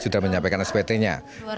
sudah menyampaikan spt nya